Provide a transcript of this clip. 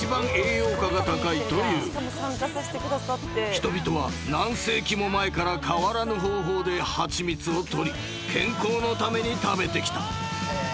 ［人々は何世紀も前から変わらぬ方法で蜂蜜を採り健康のために食べてきた］